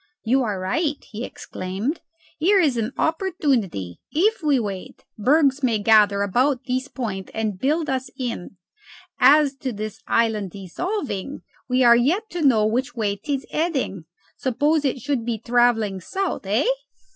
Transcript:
"You are right," he exclaimed. "Here is an opportunity. If we wait, bergs may gather about this point and build us in. As to this island dissolving, we are yet to know which way 'tis heading. Suppose it should be travelling south, hey!"